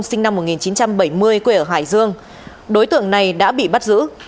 sinh năm một nghìn chín trăm bảy mươi quê ở hải dương đối tượng này đã bị bắt giữ